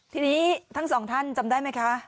ทีนี้ทั้งสองท่านจำได้ไหมคะ